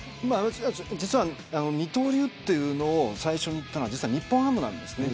実は二刀流というのを最初にいったのは日本ハムなんですね。